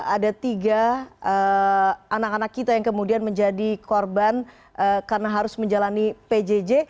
ada tiga anak anak kita yang kemudian menjadi korban karena harus menjalani pjj